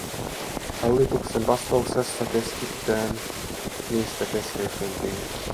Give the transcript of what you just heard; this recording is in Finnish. Hallituksen vastauksessa keskitytään niistä keskeisimpiin.